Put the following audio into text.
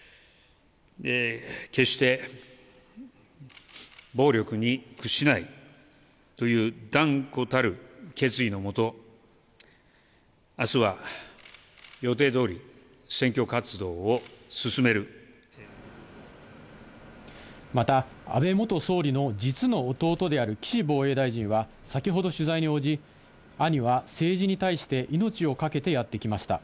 決して暴力に屈しないという断固たる決意の下、あすは予定どおり、また、安倍元総理の実の弟である岸防衛大臣は、先ほど取材に応じ、兄は政治に対して命を懸けてやってきました。